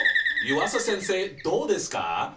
湯浅先生どうですか？